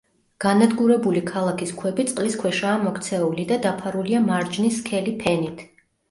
განადგურებული ქალაქის ქვები წყლის ქვეშაა მოქცეული და დაფარულია მარჯნის სქელი ფენით.